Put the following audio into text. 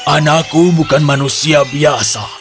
anakku bukan manusia biasa